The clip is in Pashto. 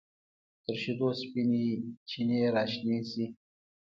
تر شیدو سپینې چینې راشنې شي